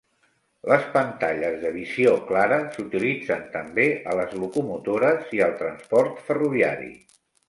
Les pantalles de visió clara s'utilitzen també a les locomotores i al transport ferroviari.